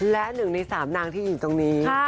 และ๑ใน๓นางที่อยู่ตรงนี้